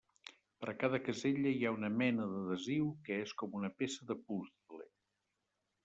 Per a cada casella hi ha una mena d'adhesiu que és com una peça de puzle.